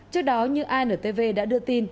trước đó như antv đã đưa tin